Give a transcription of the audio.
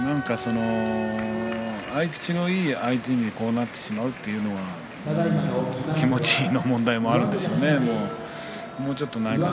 合い口のいい相手になってしまうというのは気持ちの問題もあるんでしょうね。